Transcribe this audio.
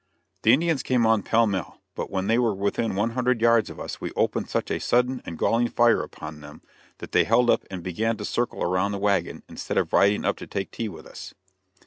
The Indians came on pell mell, but when they were within one hundred yards of us we opened such a sudden and galling fire upon them, that they held up and began to circle around the wagon instead of riding up to take tea with us.